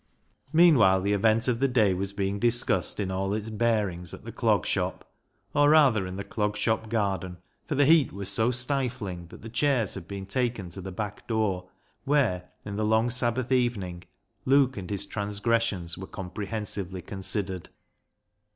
Meanwhile the event of the day was being discussed in all its bearings at the Clog Shop, or, rather, in the Clog Shop garden, for the heat was so stifling that the chairs had been taken to the back door, where, in the long Sabbath evening, Luke and his transgressions were com prehensively considered.